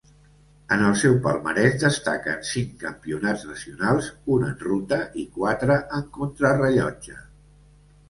En el seu palmarès destaquen cinc campionats nacionals, un en ruta, i quatre en contrarellotge.